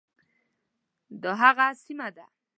دا هغه سیمه ده.